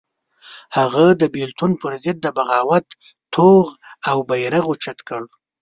هغه د بېلتون پر ضد د بغاوت توغ او بېرغ اوچت کړ.